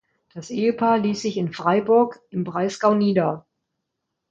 Das Ehepaar ließ sich in Freiburg im Breisgau nieder.